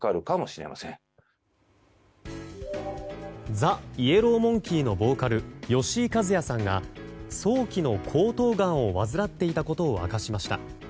ＴＨＥＹＥＬＬＯＷＭＯＮＫＥＹのボーカル吉井和哉さんが早期の喉頭がんを患っていたことを明かしました。